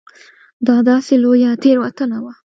دا داسې لویه تېروتنه وه.